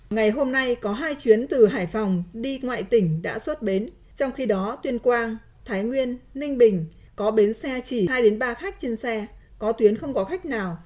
ngày hôm nay có hai chuyến từ hải phòng đi ngoại tỉnh đã xuất bến trong khi đó tuyên quang thái nguyên ninh bình có bến xe chỉ hai ba khách trên xe có tuyến không có khách nào